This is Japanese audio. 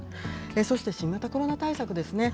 そして新型コロナ対策ですね。